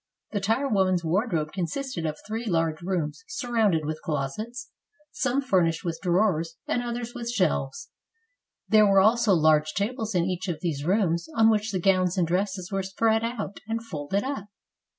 The tire woman's wardrobe consisted of three large rooms surrounded with closets, some furnished with drawers, and others with shelves; there were also large tables in each of these rooms, on which the gowns and dresses were spread out and folded up.